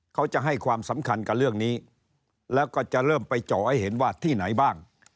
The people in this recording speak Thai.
เขาจะให้ความสำคัญกับเรื่องนี้แล้วก็จะเริ่มไปเจาะให้เห็นว่าที่ไหนบ้าง